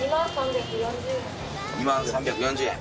２万３４０円。